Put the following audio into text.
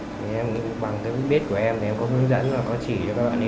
thì em nghĩ bằng cái biết của em thì em có hướng dẫn và có chỉ cho các bạn ý